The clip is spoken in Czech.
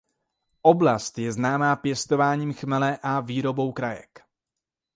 Oblast je známá pěstováním chmele a výrobou krajek.